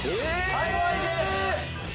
はい終わりです！